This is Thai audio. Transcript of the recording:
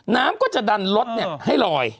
น้ำก็จะดันรถเนี่ยให้ลอย